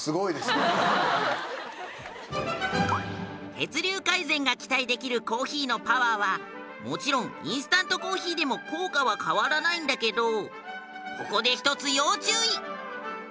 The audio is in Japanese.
血流改善が期待できるコーヒーのパワーはもちろんインスタントコーヒーでも効果は変わらないんだけどここで１つ要注意！